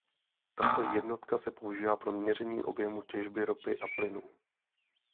Tato jednotka se používá pro měření objemu těžby ropy a plynu.